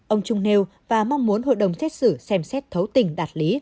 ông trung nêu và mong muốn hội đồng xét xử xem xét thấu tình đạt lý